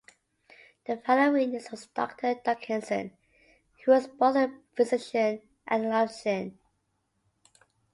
The final witness was Doctor Duncanson, who was both a physician and a theologian.